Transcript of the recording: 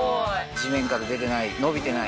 地面から出てない伸びてない。